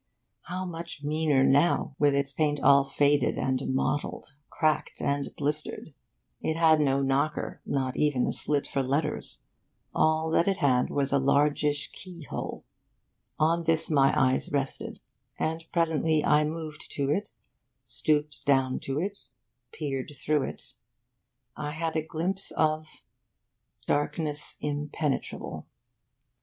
How much meaner now, with its paint all faded and mottled, cracked and blistered! It had no knocker, not even a slit for letters. All that it had was a large ish key hole. On this my eyes rested; and presently I moved to it, stooped down to it, peered through it. I had a glimpse of darkness impenetrable.